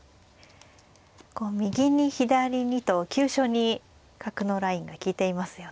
右に左にと急所に角のラインが利いていますよね。